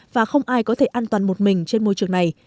và không ai có thể an toàn một mình trên môi trường này